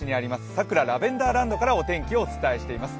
佐倉ラベンダーランドからお天気をお伝えしています。